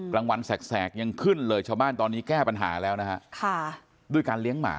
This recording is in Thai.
กลางวันแสกยังขึ้นเลยชาวบ้านตอนนี้แก้ปัญหาแล้วนะฮะด้วยการเลี้ยงหมา